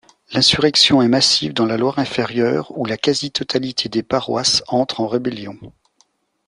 L'insurrection est massive dans la Loire-Inférieure où la quasi-totalité des paroisses entrent en rébellion.